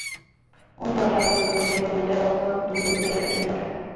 অনসূয়াকে আরও বিব্রত করতে এবার পরিচারক দুজন নতুন ক্রেতাকে তাঁর টেবিলে পাঠায়।